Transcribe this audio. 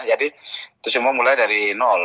jadi itu semua mulai dari nol